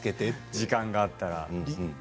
時間があったら。